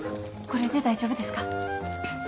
これで大丈夫ですか？